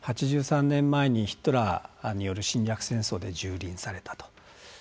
８３年前にヒトラーによる侵略戦争でじゅうりんされたと。